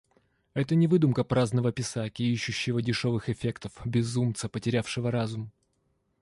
Это не выдумка праздного писаки, ищущего дешевых эффектов, безумца, потерявшего разум.